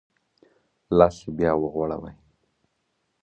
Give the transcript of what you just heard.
لاس یې بیا وغوړوی.